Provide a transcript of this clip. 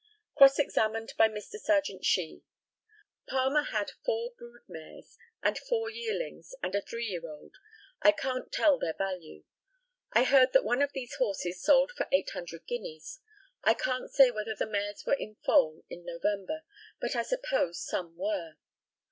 Cross examined by Mr. Serjeant SHEE: Palmer had four brood mares, and four yearlings and a three year old. I can't tell their value. I heard that one of these horses sold for 800 guineas. I can't say whether the mares were in foal in November, but I suppose some were.